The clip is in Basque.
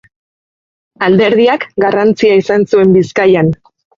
Alderdiak garrantzia izan zuen Bizkaian.